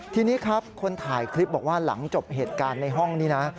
ทีนี้ครับคนถ่ายคลิปบอกว่าหลังจบเหตุการณ์ในห้องนี้นะ